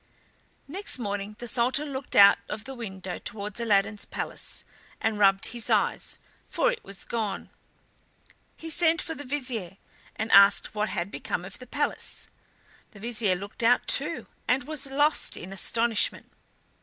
Next morning the Sultan looked out of the window towards Aladdin's palace and rubbed his eyes, for it was gone. He sent for the Vizier and asked what had become of the palace. The Vizier looked out too, and was lost in astonishment.